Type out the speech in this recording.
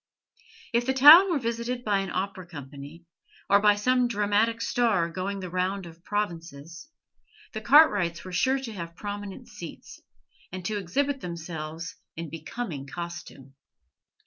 If the town were visited by an opera company, or by some dramatic star going the round of the provinces, the Cartwrights were sure to have prominent seats, and to exhibit themselves in becoming costume.